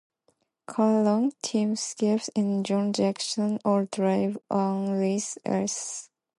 Carl Long, Tim Schendel and John Jackson all drove one race each.